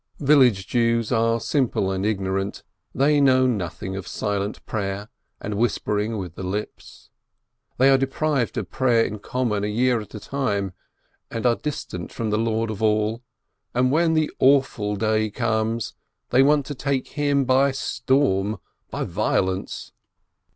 Village Jews are simple and ignorant, they know nothing of "silent pray er" and whispering with the lips. They are deprived of prayer in common a year at a time, and are distant from the Lord of All, and when the Awful Day comes, they want to take Him by storm, by violence.